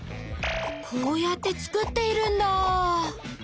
こうやって作っているんだ！